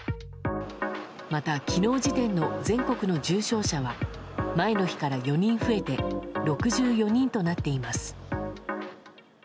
また、昨日時点の全国の重症者は前の日から４人増えて６４人となっています。